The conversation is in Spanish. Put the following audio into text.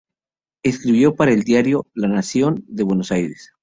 Escribió para el diario "La Nación", de Buenos Aires.